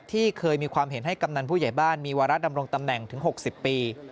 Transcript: ที่เคยมีความเห็นให้กำนันผู้ใหญ่บ้านมีวาระดำรงตำแหน่งถึง๖๐ปี